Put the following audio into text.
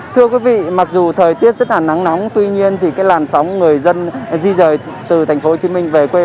thưa quý vị mặc dù thời tiết rất là nắng nóng tuy nhiên thì cái làn sóng người dân di rời từ tp hcm về quê